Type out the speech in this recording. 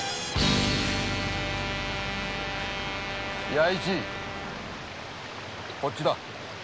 弥市こっちだ。